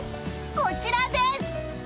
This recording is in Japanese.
こちらです！